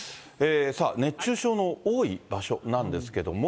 さあ、熱中症の多い場所なんですけれども。